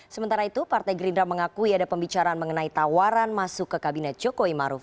sementara itu partai gerindra mengakui ada pembicaraan mengenai tawaran masuk ke kabinet jokowi maruf